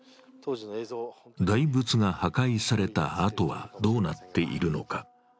大仏が破壊された跡はどうなっているのか。